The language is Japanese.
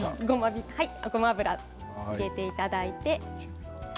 ごま油を入れていただいて。